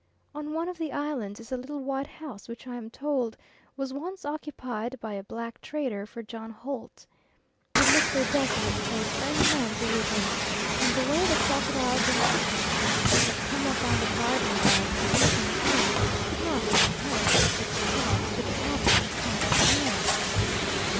On one of the islands is a little white house which I am told was once occupied by a black trader for John Holt. It looks a desolate place for any man to live in, and the way the crocodiles and hippo must have come up on the garden ground in the evening time could not have enhanced its charms to the average cautious man.